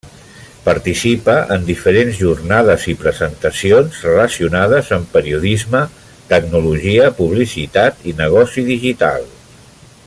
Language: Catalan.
Participa en diferents jornades i presentacions relacionades en periodisme, tecnologia, publicitat i negoci digital.